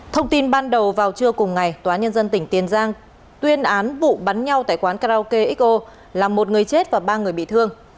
thông tin ban đầu vào trưa cùng ngày tòa nhân dân tỉnh tiền giang tuyên án vụ bắn nhau tại quán karaoke xo làm một người chết và ba người bị thương